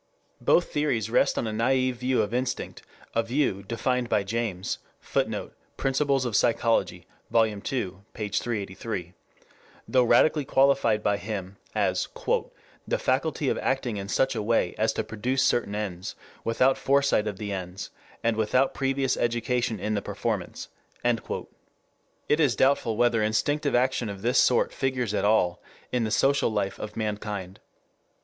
Both theories rest on a naive view of instinct, a view, defined by James, [Footnote: Principles of Psychology, Vol. II, p. 383.] though radically qualified by him, as "the faculty of acting in such a way as to produce certain ends, without foresight of the ends and without previous education in the performance." It is doubtful whether instinctive action of this sort figures at all in the social life of mankind.